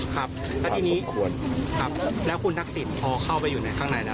ครับแล้วทีนี้ถ้าสมควรครับแล้วคุณนักศิษย์พอเข้าไปอยู่ในข้างในนะ